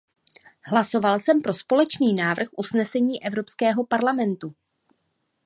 Hlasoval jsem pro společný návrh usnesení Evropského parlamentu.